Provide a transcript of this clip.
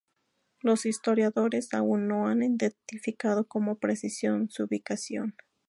Los historiadores aún no han identificado con precisión su ubicación.